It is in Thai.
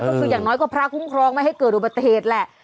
ก็คืออย่างน้อยก็พระคุ้มครองไม่ให้เกิดอุบัติเหตุแหละ